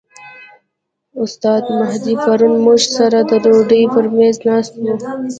استاد مهدي پرون موږ سره د ډوډۍ پر میز ناست و.